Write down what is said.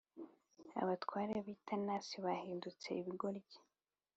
Abatware b’i Tanisi bahindutse ibigoryi,